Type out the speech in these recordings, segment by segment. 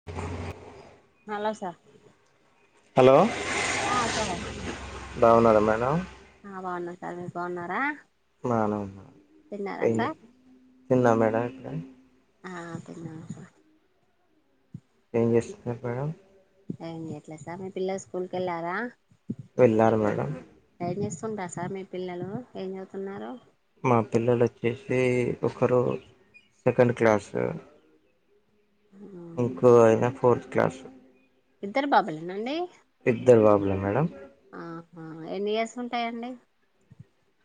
[inaudible] Hello sir hello ఆ sir బాగున్నారా madam ఆ బాగున్నా సార్ మీరు బాగున్నారా నన్ను తిన్నారా ఏ సార్ తిన్నా మేడం ఇక్ ఆ తిన్నాం సర్ ఏం చేస్తున్నారు మేడం ఎం చేయట్లే సార్ మీ పిల్లలు స్కూల్కి వెళ్ళారా వెళ్ళారు మేడం ఏం చేస్తుంటారూ సార్ మీ పిల్లలు ఏం చదువుతున్నారు మా పిల్లలు వచ్చేసి ఒకరు సెకండ్ క్లాసు ఇంకో అయనా ఫోర్త్ క్లాస్ ఇద్దరు బాబులేనా అండి బాబులే మేడం అహ ఎన్ని ఇయర్స్ ఉంటాయండి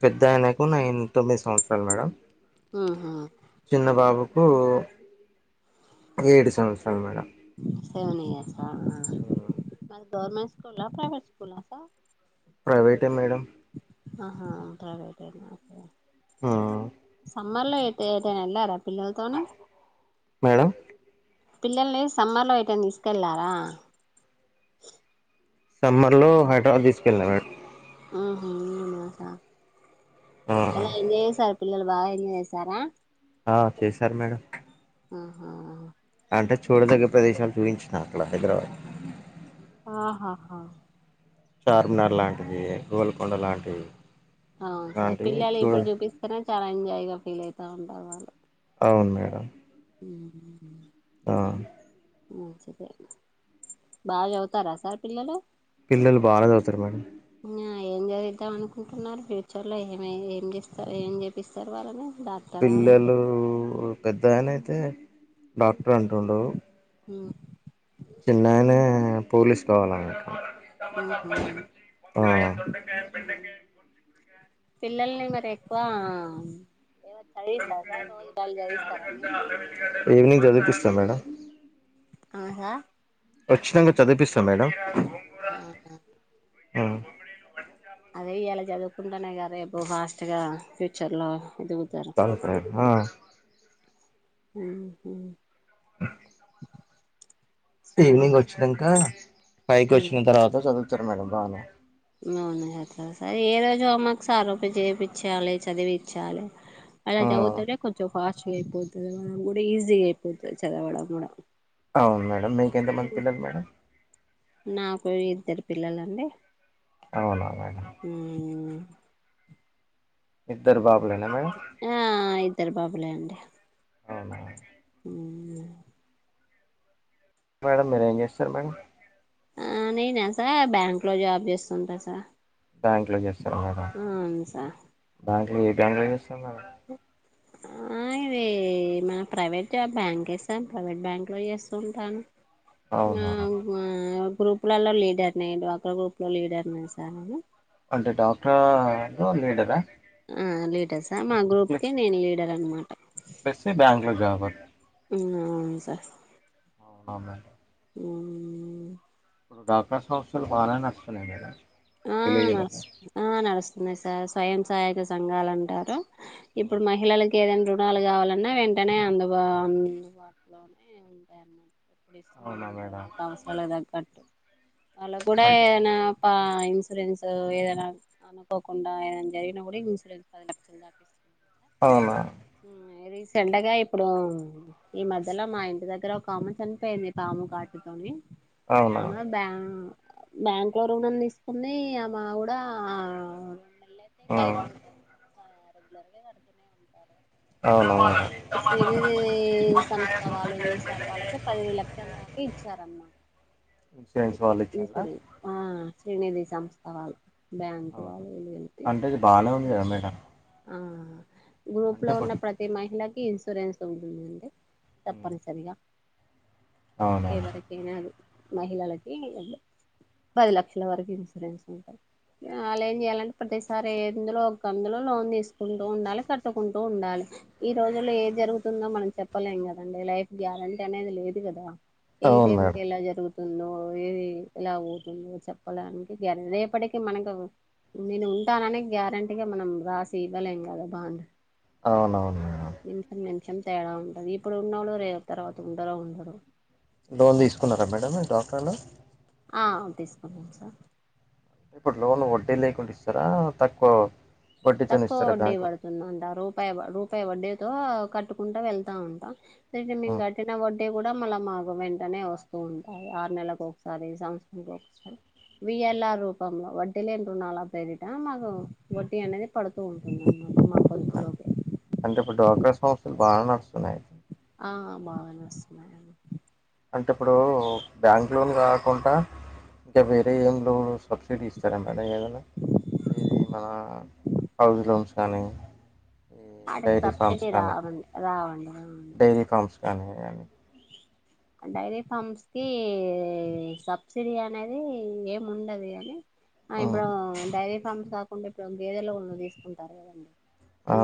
పెద్ద ఆయనకు నైన్ తొమ్మిది సంవత్సరాలు మేడం మ్ హు చిన్నబాబుకు ఏడు సంవత్సరాలు మేడం సేవెన్ ఇయర్స్ ఆ ఆ government school private school sir ప్రైవేటే మేడం ఆహా ప్రైవేటేన ఓకే ఆ సమ్మర్ లో ఎటైనా వెళ్లారా పిల్లలతోని మేడం పిల్లల్ని సమ్మర్లో అయిటయిన తీసుకెళ్ళారా సమ్మర్లో హైదరాబాద్ తీసుకెళ్ళానం మ్ హు ఆలన సార్ ఆ ఎలా ఎంజాయ్ చేసారు పిల్లలు బాగా ఎంజాయ్ చేసారా ఆ చేశారు మేడం ఆహా అంటే చూడదగినా ప్రదేశాలు చూపించిన అక్కడ హైదరాబాద్ ఆహాహా చార్మినార్ లాంటివి గోల్కొండ లాంటివి అవును సార్ అలాంటివి పిల్లలు చూడ ఇప్పుడు చూపిస్తేనే చాలా ఎంజాయ్ గా ఫీల్ అయితా ఉంటారు వాళ్ళు అవును మేడం ఉమ్మ్ హ్ ఆ మంచిదే బాగా చదువుతారా సార్ పిల్లలు పిల్లలు బాగ చదువుతారు మేడం ఇంగ ఏం చదివిద్దాం అనుకుంటున్నారు ఫ్యూచర్ లో ఏమై ఏం చేస్తారు ఏం చేపిస్తారు వాళ్ళని డా పిల్లలు పెద్ద ఆయన అయితే డాక్టర్ అంటుండు హ్మ్ చిన్న ఆయనే పోలీసు కావాలి అంట మ్ హ్మ్ ఆ పిల్లల్ని మరి ఎక్కువ ఏవన్న చదివిస్తారా సార్ రోజు డైలీ చదివిస్తారా మీరు ఈవినింగ్ చదివిపిస్తా మేడం ఆహా ఖచ్చితంగా చదివిపిస్తా మేడం ఆహ ఆ అదే ఇయాలా చదువుకుంటేనే గా రేపు ఫాస్ట్ గా ఫ్యూచర్ లో ఎదుగుతారు [unintelligible] హా మ్మ్ హ్మ్ ఆ సరే ఈవినింగ్ వచ్చినంక ఫైవ్ కి వచ్చిన తర్వాత చదువుతారు మేడం బాగానే [unintelligible] సార్ ఏ రోజు హోంవర్క్ సార్ చేపిచ్చాలే చదివిచ్చాలే అలా ఆ చదువుతేనే కొంచెం ఫాస్టుగా అయిపో [unintelligible] కూడా ఈజీగ అయిపోతది చదవడం కూడా అవును మేడం మీకి ఎంత మంది పిల్లలు మేడం నాకు ఇద్దరు పిల్లలండి అవునా మేడం మ్మ్ ఇద్దరు బాబులేనా మేడం ఆ ఇద్దరు బాబులే అండి అవునా మ్మ్ అ మేడం మీరేం చేస్సరు మేడం ఆ నేనా సార్ బ్యాంక్ లో జాబ్ చేస్తుంటా సార్ బ్యాంక్ లో చేస్ అవును సార్ బ్యాంక్లో ఏ బ్యాంకులో చేస్తరు మేడం హ్మ్ ఆ ఆ ఇది మన ప్రైవేట్ జాబ్ బ్యాంకే సార్ ప్రైవేట్ బ్యాంకులో చేస్సుంటాను అ అవునా ఆ గ్రూప్లల్లో లీడర్ని డ్వాక్ర గ్రూప్ లో లీడర్నే సార్ నేను అంటే డ్వాక్రా లో లీడరా ఆ లీడర్సా మా గ్రూప్ కి నేను లీడర్ అనమాట వేస్తె బ్యాంక్ లో జాబర్ [unintelligible] ఉం అవును సార్ అవునా ఉ [unintelligible] డ్వాక్రా సంస్థలు బానే నడుస్తున్నాయి కదా ఆ నడుస్ ఆ నడుస్తుంది సార్ స్వయం సహాయక సంఘాలు అంటారు ఇప్పుడు మహిళలకి ఏదైనా రుణాలు కావాలన్న వెంటనే అందుబా అందుబాటులో ఉన్నాయి ఇస్తూనే అవునా ఉంటారు మేడం వాళ్ళకి అవసరాలకు తగ్గట్టు వాళ్ళకు కూడా అంటే ఏదైనా పా ఇన్సూరెన్స్ ఏదైన అనుకోకుండా ఏదనా జరిగిన కూడా ఇన్సూరెన్స్ పది లక్షలు దాకి అవునా ఉం రీసెంట్గా ఇప్పుడు ఈ మధ్యలో మా ఇంటి దగ్గర ఒక ఆమె చనిపోయింది పాము కాటుతోని అవునా ఆమె బ్యా బ్యాంకులో ఋణం తీసుకున్ది ఆ మా కూడా ఆ ధరణి కడతనే ఉండాలే [unintelligible] అవునా శ్రీ నిధి సంస్థ వాళ్ళేం చేశారు వాళ్ళకి పది లక్షల దా దాక ఇచ్చారన్నమాట ఇన్సూరెన్స్ అంతే వాళ్ళు ఇచ్చిండ్రా ఇన్సూరెన్స్ ఆ శ్రీనిధి సంస్థ వాళ్ళు బ్యాంకు వాళ్ళు వీళ్ళు కలిపి బానే ఉంది కదా మేడమ్ ఆ గ్రూప్లో ఉన్న ఇప్పుడు- ప్రతి మహిళకి ఇన్సూరెన్స్ ఉంటుందండి తప్పనిసరిగ అవునా ఎవరకి ఎం కాదు మహిళలకి పది లక్షల వరకు ఇన్సూరెన్స్ ఉంటది అళ్ ఏం చెయాలంటే ప్రతిసారి ఏందులో ఒక అందులో లోన్ తీసుకుంటూ ఉండాలి కట్టుకుంటు ఉండాలి ఈ రోజుల్లో ఏ జరుగుతుందో మనం చెప్పలేం కదండి లైఫ్ గ్యారంటీ అనేది లేదు కదా ఏ అవును టైం కి మేడం ఎలా జరుగుతు [unintelligible] తుందో ఇది ఎలా పోతుందో చెప్పడానికి గ రేపటికి మనకు నేను ఉంటాననే గ్యారంటీగా మనం రాసి ఇవ్వలేం కదా బాండ్ అవునవును మేడం నిమిషం నిమిషం తేడా ఉంటది ఇప్పుడు ఉన్నోళ్లు రే తర్వాత ఉంటరో ఉండరో లోన్ అలా తీసుకున్నారా మేడం డ్వాక్రాలో ఆ తీసుకున్నం సార్ ఇప్పుడు లోన్ లు వడ్డీ లేకుండ ఇస్తారా తక్కువ వడ్డీతోని తక్కువ ఇస్తారా వడ్డీ బ్యాంకు పడుత్ రూపా రూపాయి వడ్డీతో కట్టుకుంటా వెళ్తా ఉంట తీర్గి మేము ఉమ్, కట్టిన వడ్డీ టే కూడా మళ్ళ మాకు వెంటనే వస్తూ ఉంటాయి ఆరు నెల్లకు ఒకసారి సంవత్సరనికి ఒకసారి ఉమ్. విఎల్ఆర్ రూపంలో వడ్డీ లేని రుణాలా పేరిట మాకు వడ్డీ అనేది పడుతూ ఉంటుంది అన్నమాట మా పొదుపు లోకి అంటే ఇప్పుడు డ్వాక్రా సంస్థలు బాగా నడుస్తున్నాయి ఆ బాగా నడుస్తున్నాయండి అంటే ఇప్పుడు బ్యాంక్ లోన్ కాకుండా ఇంకా వేరే ఏం లోన్ సబ్సిడీ ఇస్తారా మేడం ఏదన్నా ఇది మన హౌస్ లోన్స్ కానీ ఈ వాటికి డైరీ ఫర్మ్ సబ్సిడీ కానీ రావండి రావండి డైరీ ఫర్మ్ కానీ వి డైరీ ఫర్మ్ కి సబ్సిడీ అనేది ఏం ఉండది అని ఉమ్, ఇప్పుడు డైరీ ఫామ్స్ కాకుండా ఇప్పుడు గేదెల లోళ్లు తీసుకుంటారు కదండి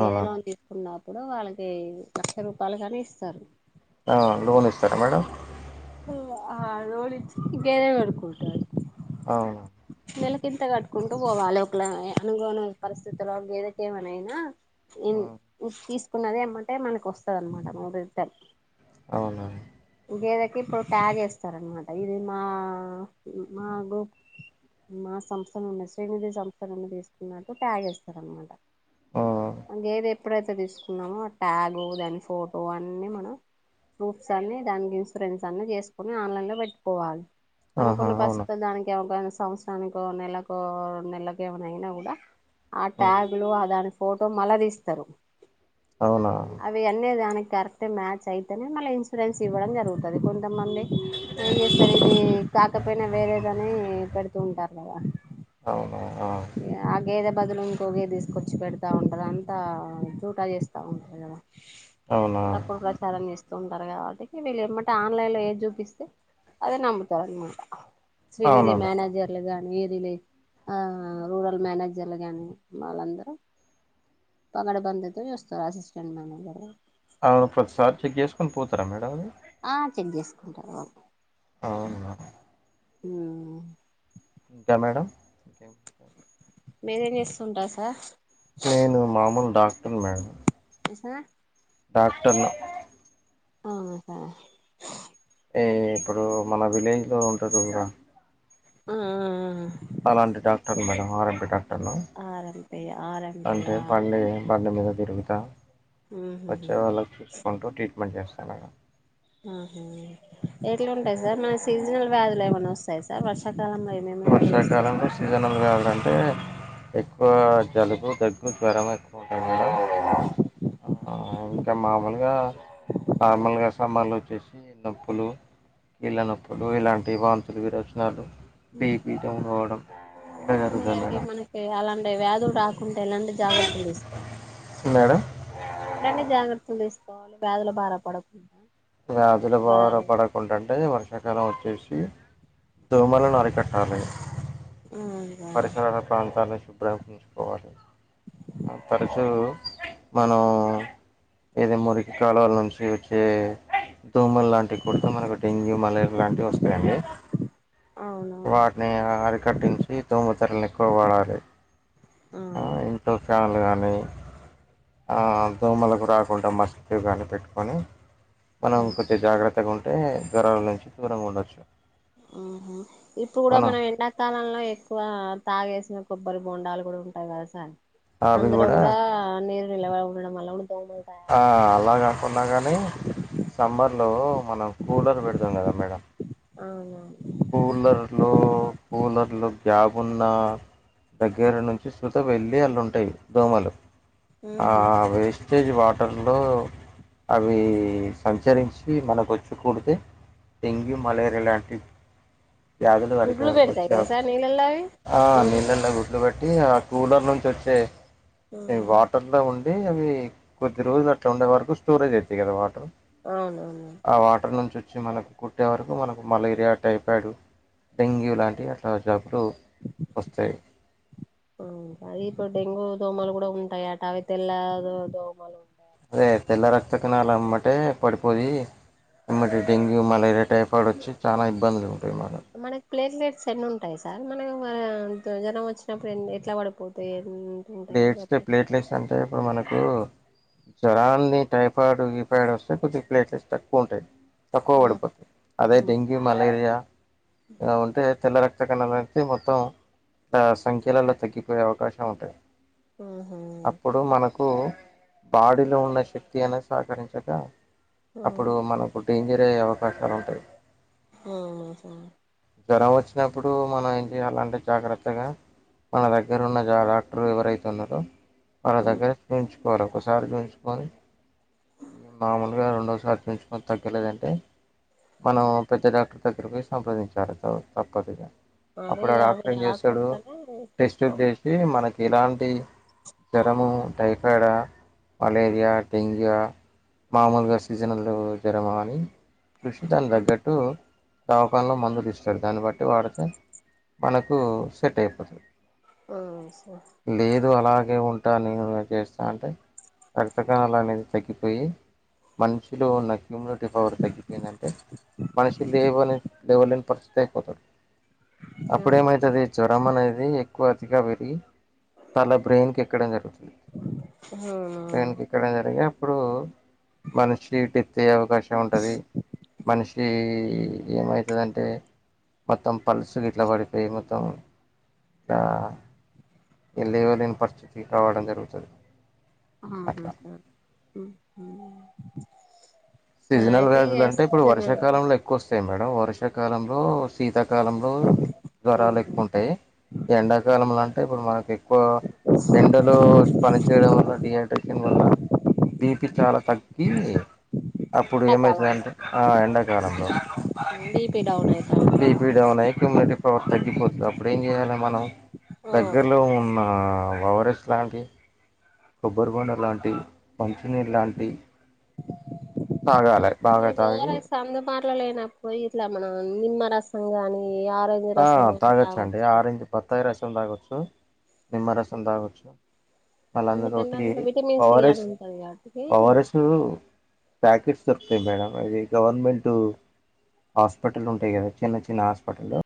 గేద లోన్ తీసుకున్నప్పుడు వాళ్ళకి లక్ష రూపాయలు కానీ ఇస్తారు ఆ లోన్ ఇస్తారా మేడం ఆ లోన్ ఇచ్చేది అనుకుంటా అవును నెలకింత కట్టుకుంటూ పోవాలి ఒకళ అనుకోని పరిస్థితులో గేదకు ఏమనైనా ఐన ఉమ్, తీసుకున్నది ఏమంటే మనకు వస్తుందన్నమాట వస్తది రిటర్న్ అవున గేదెకు ఇప్పుడు ట్యాగ్ చేస్తార అనమాట ఇది మా మాగు మా సంస్థ నుండి స్త్రీ నిధి సంస్థ నుండి తీసుకున్నట్టు ట్యాగ్ ఏస్తారనమాట ఉమ్, గేదేప్ ఎప్పుడైతే తీసుకున్నామో ఆ ట్యాగు దాని ఫోటో అన్ని మనం ప్రూఫ్స్ అన్ని దానికి ఇన్సూరెన్స్ అన్నీ చేసుకొని ఆన్లైన్ లో పెట్టికోవాలి ఆహా అనుకున్న అవునా పరిస్థితుల్లో దానికి ఏమన్నా సంస్థ దానికో నెలకో నెలకో ఏమయినా ఐన కూడా ఆ ఉమ్, ట్యాగులు అని ఫోటో మళ తీస్తారు అవునా అవి అన్నీ దానికి కరెక్ట్ మ్యాచ్ అయితేనే మళ్ళీ ఇన్సూరెన్స్ ఇవ్వడం జరుగుతుంది కొంతమంది ఏం చేస్తారు ఇది కాకపోయినా వేరేదని పెడుతూ ఉంటారు కదా అవున ఆ ఆ గేదే బదులు ఇంకో గేదెను తీసుకొచ్చి పెడతా ఉంటారు అంతా జూట చేస్త ఉంటారు కదా అవునా తప్పుడు ప్రచారం చేస్తారు తొందర కాబట్టి వీళ్ళు ఏమంటే ఆన్లైన్ లో ఏ చూపిస్తే అదే నమ్ముతారు అనమాట శ్రీనిధి అవునా మేడం మనేజర్లుగానీ ఏరిలే ఆ రూరల్ మేనేజర్లు గాని వాళ్ళందరూ పాకట్ బంధితో చూస్తారు అసిస్టెంట్ మేనేజర్ అవును ప్రతిసారి చెక్ చేసుకోని పోతారా మేడం అది ఆ చెక్ చేసుకుంటారు ఓ అవునా ఉ ఇంకా మేడంమ్ థ్యాంక్ సార్ మీరేం చేస్తుంటరు సార్ నేను మామూలు డాక్టర్ మేడం ఆ డాక్టర్ను అవును సార్ ఏ ఇప్పుడు మన విలేజ్ లో ఉంటారు చూడండి ఆ ఆ అలాంటి doctor madam RMP doctor hello RMP RMP అంటే ఆ బండి బండి మీద తిరుగుత ఆ వచ్చే వాళ్ళకి చూసుకుంటూ ట్రీట్మెంట్ చేస్తాను ఆహ ఎట్లా ఉంటాయి సార్ మరి సీజనల్ వ్యాధులు ఏమైన్నా వస్తాయ సార్ వర్షాకాలంలో ఏమేమి వ్యాధులు వస్తాయి సార్ వర్షాకాలంలో ఇప్పుడు సీజనల్ వ్యాధులు అంటే ఎక్కువ జలుబు దగ్గు జ్వరం ఇంకా మేడం ఇంకా మామూలుగా నార్మల్గా సమాలు వచ్చేసి నొప్పులు కీళ్ళ నొప్పులు ఇలాంటి వాంతులు విరొచనాలు బేబీ డౌన్ అవడం ఇట్టే జరుగుతది మేడం ఇగ అలాంటి వ్యాధులు రాకుంటా ఎలాంటి జాగ్రత్తలు తీసుకోవాలి మేడం ఎలాంటి జాగ్రత్తలు తీసుకోవాలి వ్యాధులు బారి పడకుండా వ్యాధుల బారా జ్వరాలు పడకుండా అంటే ఎండాకాలం వచ్చేసి దోమలను అరికట్టాలి ఉమ్ పరిసరాల ప్రాంతాలను శుభ్రపరుచుకోవాలి తరచూ మనం ఇది మురికి కాలువలా నుంచి వచ్చే దొమలు లాంటి అవి కూడితే మనకు డెంగ్యూ మలేరియా లాంటివి వస్తాయండి అవునవును వాటిని అరికట్టించి తోముతెరలను ఎక్కువ వాడాలి అవును మురికి కాలువలు గాని ఆ దోమలకు రాకుండా మస్కిటో గాని పెట్టుకొని మనం కొద్దిగా జాగ్రత్తగా ఉంటే జ్వరాల నుంచి దూరంగా ఉండొచ్చు ఇప్పుడు కూడా మనం ఎండ ఎండాకాలంలో ఎక్కువ తాగేసిన కొబ్బరి బొండాలు కూడా ఉంటాయి కదా సార్ అందులో కూడా నీరు నిలవ ఉండడం వల్ల కూడా దోమలు ఆ తయారవుతాయి అలా కాకున్నా కానీ సమ్మర్లో మనం కూలర్ పెడుతం కదా మేడం అవునవును కూలర్లొ కూలర్లో గ్యాబ్ ఉన్న దగ్గర నుంచి సు అందులో వెళ్లి ఆల్లు ఉంటాయి దోమలు ఆ వేస్ట్ వేస్టేజ్ వాటర్లో అవి సంచరించి మనకు వచ్చికూడితే డెంగ్యూ మలేరియా లాంటి వ్యాధులు వరక గుడ్లు పెడతాయి వచ్చా కదా సార్ నీళ్ళల్లో అవి ఆ దోమలు నీళ్ళలో గుడ్లు పెట్ టి ఆ కూలర్ నుంచి వచ్చే వాటర్ అట్లా ఉండి అవి కొద్ది రోజులు అట్లా ఉండే వరకు స్టోరేజ్ అవుతాయి కదా వాటర్ అవునవును ఆ వాటర్ నుంచి వచ్చి మనకు కుట్టే వరకు మనకు మలేరియా టైపాయిడు డెంగ్యూ లాంటివి అలా జబ్బులు వస్తాయి ఆ అది ఇప్పుడు డెంగ్యూ దోమాలు కూడా ఉంటాయి అట అవి తెల్ల దోమాలు అదే తెల్ల రక్త కణాల ఎమ్మటే పడిపోయి ఎమ్మటే డెంగ్యూ మలేరియా టైప్ అప్పుడు వచ్చి చాలా ఇబ్బందులు ఉంటాయి మనకు మనకి ప్లేట్లెట్స్ ఎన్ని ఉంటాయి సార్ మనకు జ్వరం వచ్చినప్పుడు ఎ ఎట్లా పడిపోతాయి అని ప్లేట్లెట్స్ ప్లేట్లెట్స్ అంటే ఇప్పుడు మనకు జ్వరాన్ని టైఫాయిడ్ గిఫాయిడ్ వస్తే కొద్దిగా ప్లేట్లెట్స్ తక్కువ ఉంటాయి తక్కువ పడితే అదే డెంగ్యూ మలేరియా ఆ ఉంటే తెల్ల రక్త కణాలు అనేతే మొత్తం సంఖ్యలలో తగ్గిపోయే అవకాశం ఉంటాయి ఆహ అప్పుడు మనకు బాడీలో ఉన్న శక్తి అనేది సహకరించక అప్పుడు మనకు డేంజర్ అయ్యే అవకాశాలు ఉంటాయి ఆహ జ్వరం వచ్చినప్పుడు మనం ఏం చేయాలంటే జాగ్రత్తగా మన దగ్గర ఉన్న జార వ్ ఎవరైతే ఉన్నారో వాళ్ళ దగ్గర చూయించుకోవాలి ఒకసారి చూయించుకోవాలి. మామూలుగా రెండోసారి చూయించుకొని తగ్గలేదంటే మనం పెద్ద డాక్టర్ దగ్గరకి ఓయి సంప్రదించాలి తప్పదిగా అదే అప్పుడు ఆ అవి డాక్టర్ ఏం చేస్తాడు రాకుండానే చూసుకోవాలి టెస్ట్లుచేసి ఈ మనకి ఇలాంటి జ్వరము టైఫాయిడా మలేరియా డెంగ్యూ ఆ మామూలుగా సీజన్లు జ్వరమా అని చూసి దాని దగ్గట్టు దవకాన్లో మందులు ఇస్తారు దాన్ని బట్టి వాడితే మనకు సెట్ అయిపోతుంది. ఓ సో లేదు అలాగే ఉంటా నేను చేస్తా అంటే రక్తకాణాలు అనేది తగ్గిపోయి మనిషులో ఉన్న ఇమ్యూనిటీ పవర్ తగ్గిపోయిందంటే మనుషులు లెవలె లేవలేని పరిస్థితి అయిపోతాడు. అపుడేమైతది జ్వరం అనేది ఎక్కువ అతిగా పెరిగి తల బ్రెయిన్ కు ఎక్కడం గట్టు హ్మ్ మ్ ఇక్కడ జరిగేప్పుడు మనిషి హిటెత్తే అవకాశం ఉంటది మనిషి ఏమై ఎంతదంటే మొత్తం పల్సు గిట్లా పడిపోయి మొత్తం దా ఇగ లేవలేని పరిస్థితికి కావడం జరుగుతది ఆహా అట్లా సార్ సీజనల్ అయితే వ్యాదులు అంటే ఇప్పుడు ఇగ వర్షకాలంలో ఏక్ ఎక్కువ వస్తాయి మేడ వర్షాకాలంలో శీతాకాలంలో జ్వరాలు ఎక్కువ్ టే ఎండాకాలం లంటే ఇప్పుడు మనకి ఎక్కువ ఎండలు పని చేయడం వల్ల డిహైడ్రేషన్ వల్ల బీపీ చాలా తగ్గి అప్పుడు ఎండాకాలంలో ఏమయితదంటే ఆ ఎండాకాలంలో బీ పీ డౌన్ అయి బీ పీ డౌన్ అయి కుమ్యూలేటీ పవర్ తగ్గిపోతది అప్పుడు ఏం చేయాల మనం అవును దగ్గరలో ఉన్న వోవరెస్ లాంకి కొబ్బరిబొండ లాంటి మంచినీళ్ లాంటి తాగాల బాగా తాగి మాట్లా లేన పోయి ఇట్లా మనం నిమ్మరసం గాని ఆరో ఆ తాగచ్చు అండి ఆరెంజ్, బత్తాయి రసం తాగొచ్చు, నిమ్మరసం తాగొచ్చు. ఎందుకంటే మళ్ళఅందులోటి అందులో ఓ విటమిన్ సి ఆర్ ఎస్ అని ఉంటది కాబట్టి ఓ ఆర్ ఎసు ప్యాకిట్స్ దొరుకుతాయి మేడం అది గవర్నమెంట్ హాస్పిటల్ ఉంటాయి కదా చిన్న చిన్న హాస్పిటలు